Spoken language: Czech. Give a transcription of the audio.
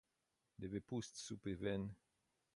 Nevypusť supy ven.